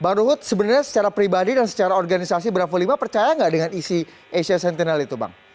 bang ruhut sebenarnya secara pribadi dan secara organisasi bravo lima percaya nggak dengan isi asia sentinel itu bang